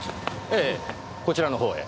ええこちらのほうへ。